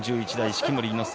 式守伊之助